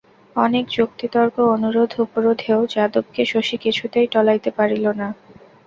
অনেক যুক্তিতর্ক অনুরোধ উপরোধেও যাদবকে শশী কিছুতেই টলাইতে পারিল না।